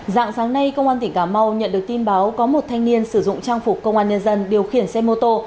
dạng sáng nay công an tỉnh cà mau nhận được tin báo có một thanh niên sử dụng trang phục công an nhân dân điều khiển xe mô tô